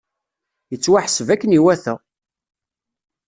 Yettwaḥseb akken iwata!